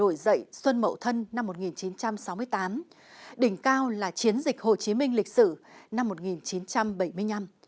đổi dậy xuân mậu thân năm một nghìn chín trăm sáu mươi tám đỉnh cao là chiến dịch hồ chí minh lịch sử năm một nghìn chín trăm bảy mươi năm